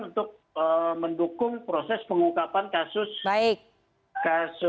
untuk mendukung proses pengungkapan kasus kasus